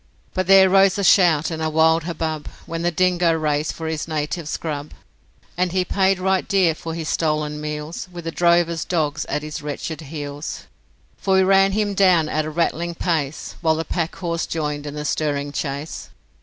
But there rose a shout and a wild hubbub When the dingo raced for his native scrub, And he paid right dear for his stolen meals With the drover's dogs at his wretched heels. For we ran him down at a rattling pace, While the packhorse joined in the stirring chase.